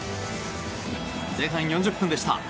前半４０分でした。